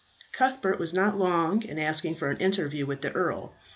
Cuthbert was not long in asking for an interview with the earl.